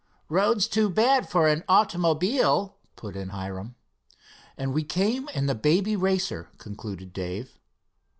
"Roads too bad for an automobile," put in Hiram. "And we came in the Baby Racer," concluded Dave.